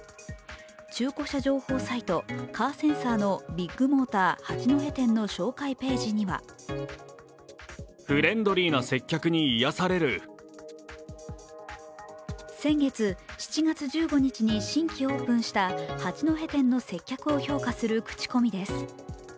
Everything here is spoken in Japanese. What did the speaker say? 中古車情報サイト「カーセンサー」のビッグモーター八戸店の紹介ページには先月、７月１５日に新規オープンした八戸店の接客を評価する口コミです。